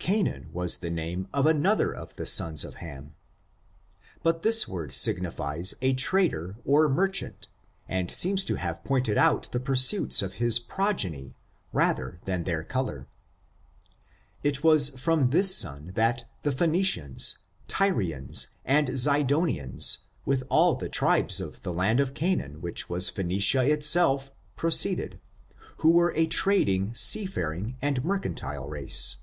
Canaan was the name of another of the sons of Ham. But this word signified a trader or merchant, and seems to have pointed out the pursuits of his progeny, rather than their color. It was from this son that the Phoenicians, Tyrians and Zidonians, with all the tribes of the land of Canaan which was Phoenicia itself, proceeded, who were a trading sea faring and mercantile race.